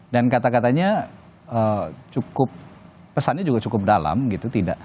dan kata katanya cukup pesannya juga cukup dalam gitu